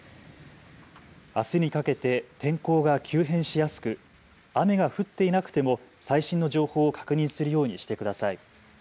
あすにかけて天候が急変しやすく雨が降っていなくても最新の情報を確認するようにしてください。